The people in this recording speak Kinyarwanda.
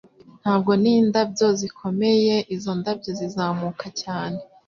Ntabwo n'indabyo zikomeye izo ndabyo zizamuka cyane